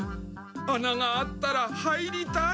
穴があったら入りたい。